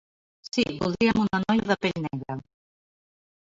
Sí, voldríem una noia de pell negra.